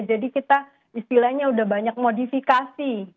jadi kita istilahnya udah banyak modifikasi